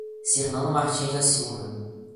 Cirnando Martins da Silva